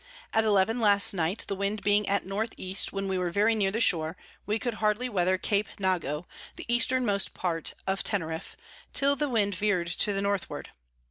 At eleven last night the Wind being at N E. when we were very near the Shore, we could hardly weather Cape Nago, the Eastermost part of Teneriff, till the Wind veer'd to the Northward.